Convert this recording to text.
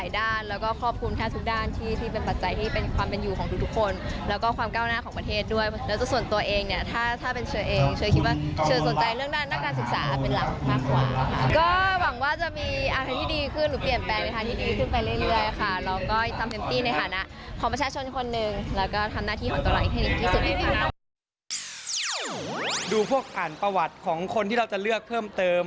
ดูพวกอ่านประวัติของคนที่เราจะเลือกเพิ่มเติม